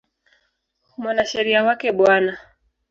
Mwanasheria wake Bw.